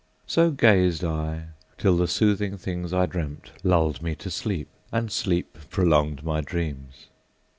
So gazed I, till the soothing things, I dreamt, Lulled me to sleep, and sleep prolonged my dreams!